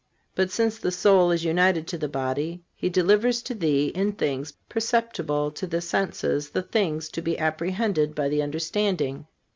But since the soul is united to the body, He delivers to thee in things perceptible to the senses the things to be apprehended by the understanding.